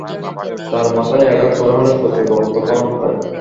তাঁর মাথায় আঘাত করা হলে প্রচুর রক্তক্ষরণ হয়।